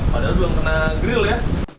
padahal belum kena grill ya